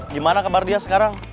gimana kabar dia sekarang